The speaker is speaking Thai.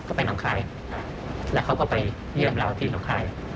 ก็ไปหนองคายแล้วเขาก็ไปเยี่ยมเราที่หนองคาย